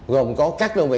gồm có các đơn vị